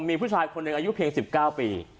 มีผู้ชายคนหนึ่งอายุเพียง๑๙ปี